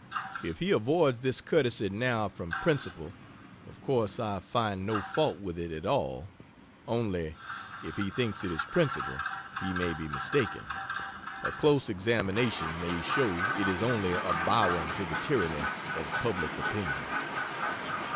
If he avoids this courtesy now from principle, of course I find no fault with it at all only if he thinks it is principle he may be mistaken; a close examination may show it is only a bowing to the tyranny of public opinion.